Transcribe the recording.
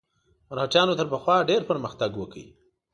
مرهټیانو تر پخوا ډېر پرمختګ وکړ.